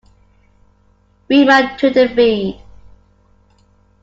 Read my Twitter feed.